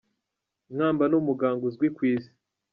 Mwamba ni umuganga uzwi ku isi.